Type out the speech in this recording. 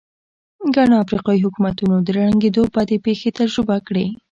ګڼو افریقايي حکومتونو د ړنګېدو بدې پېښې تجربه کړې.